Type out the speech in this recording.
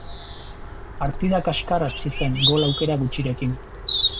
Partida kaskar hasi zen, gol aukera gutxirekin.